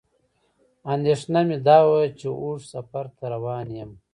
اندېښنه مې دا وه چې اوږد سفر ته روان یم.